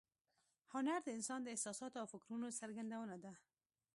هنر د انسان د احساساتو او فکرونو څرګندونه ده